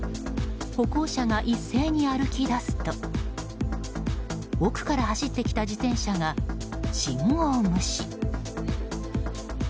歩行者が一斉に歩き出すと奥から走ってきた自転車が信号無視。